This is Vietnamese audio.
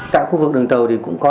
tại khu vực đường tàu thì cũng có